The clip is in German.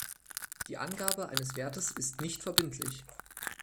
Die Angabe eines Wertes ist nicht verbindlich.